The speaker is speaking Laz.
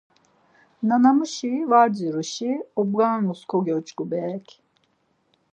Nanamuşi var dziruşi obgarinus kogyoç̌ǩu berek.